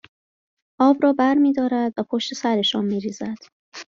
آب را برمیدارد و پشت سرشان میریزد